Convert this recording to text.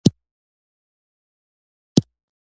ته زما د دعاوو ښکلی ځواب یې.